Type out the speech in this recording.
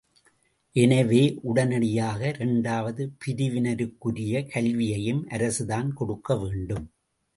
எனவே, உடனடியாக இரண்டாவது பிரிவினருக்குரிய கல்வியையும் அரசுதான் கொடுக்க வேண்டும்!